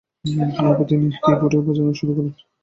এরপর তিনি কি-বোর্ড বাজানো শুরু করেন।